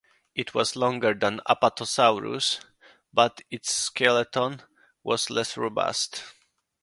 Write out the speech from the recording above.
It was longer than "Apatosaurus", but its skeleton was less robust.